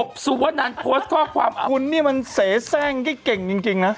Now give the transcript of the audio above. กบสู่ว่านั้นโพสต์ข้อความคุณนี่มันเสียแซ่งเก่งจริงนะ